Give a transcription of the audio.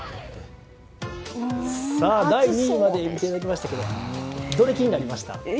第２位まで見ていただきましたけどどれが気になりました？